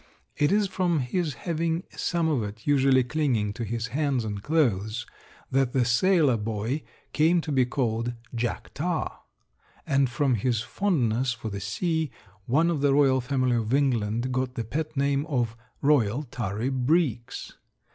It is from his having some of it usually clinging to his hands and clothes that the sailor boy came to be called "Jack Tar," and from his fondness for the sea one of the royal family of England got the pet name of "Royal Tarry Breeks."